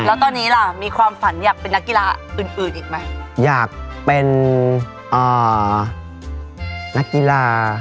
แล้วก็แบบยิมนาสติกฮีลา